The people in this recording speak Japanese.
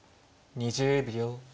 ２０秒。